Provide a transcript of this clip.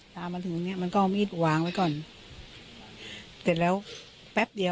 ตามมาถึงเนี้ยมันก็เอามีอีจวางไว้ก่อนแต่นะแป๊บเดียว